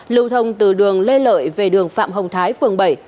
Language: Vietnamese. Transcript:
lưu thông từ đường lê lợi về đường phạm hồng thái phường bảy